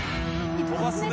飛ばすね。